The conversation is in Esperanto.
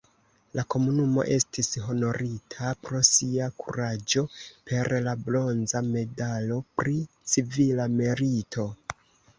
La komunumo estis honorita pro sia kuraĝo per la bronza medalo pri civila merito.